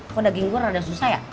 kok daging gue rada susah ya